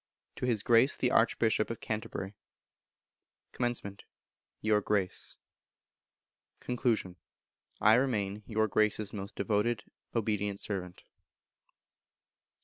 To His Grace the Archbishop of Canterbury. Comm. Your Grace. Con. I remain, Your Grace's most devoted obedient servant.